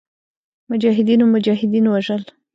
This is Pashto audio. مجاهدینو مجاهدین وژل.